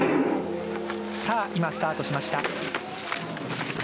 さあ、今、スタートしました。